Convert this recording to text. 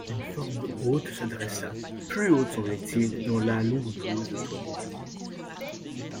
Une forme haute se dressa, plus haute semblait-il, dans la longue blouse de toile bise.